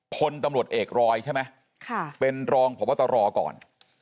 พลตำรวจเอกรอยใช่ไหมเป็นรองพบตรก่อน